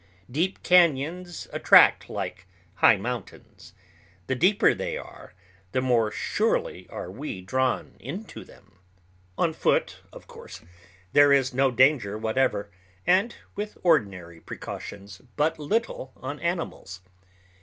Deep cañons attract like high mountains; the deeper they are, the more surely are we drawn into them. On foot, of course, there is no danger whatever, and, with ordinary precautions, but little on animals.